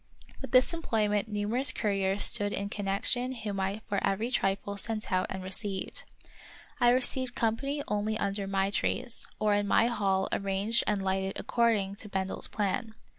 With this employment numerous couriers stood in connection whom I for every trifle sent out and received. I received 44 The Wo7tderful History company only under my trees, or in my hall arranged and lighted according to Bendel's plan.